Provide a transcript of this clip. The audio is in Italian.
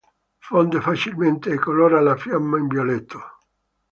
Fonde facilmente e colora la fiamma in violetto.